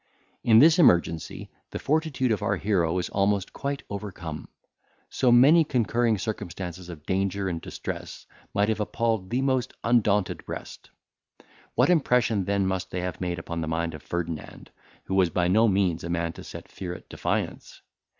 In this emergency, the fortitude of our hero was almost quite overcome. So many concurring circumstances of danger and distress might have appalled the most undaunted breast; what impression then must they have made upon the mind of Ferdinand, who was by no means a man to set fear at defiance!